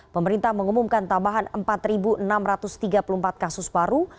pemerintah mengumumkan tambahan empat enam ratus tiga puluh empat kasus baru